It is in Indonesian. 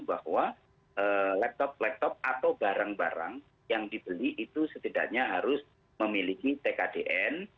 bahwa laptop laptop atau barang barang yang dibeli itu setidaknya harus memiliki tkdn